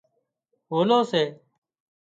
هولو سي